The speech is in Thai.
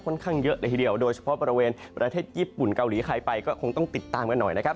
ข้างเยอะเลยทีเดียวโดยเฉพาะบริเวณประเทศญี่ปุ่นเกาหลีใครไปก็คงต้องติดตามกันหน่อยนะครับ